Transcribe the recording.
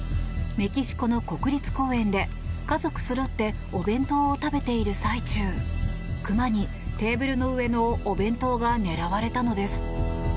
メキシコの国立公園で家族そろってお弁当を食べている最中クマにテーブルの上のお弁当が狙われたのです。